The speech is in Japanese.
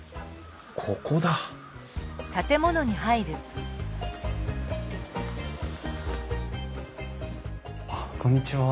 ここだこんにちは。